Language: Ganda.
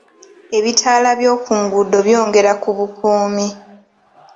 Ebitaala by'oku nguudo byongera ku bukuumi .